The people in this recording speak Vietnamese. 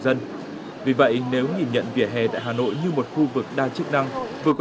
giải pháp được đưa ra